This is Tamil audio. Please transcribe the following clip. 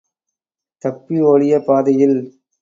தப்பி ஓடிய பாதையில்!